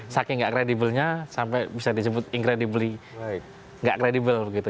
saking gak kredibelnya sampai bisa disebut incredibly gak kredibel gitu